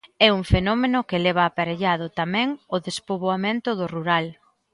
É un fenómeno que leva aparellado, tamén, o despoboamento do rural.